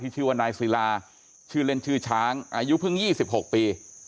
ชื่อว่านายศิลาชื่อเล่นชื่อช้างอายุเพิ่ง๒๖ปี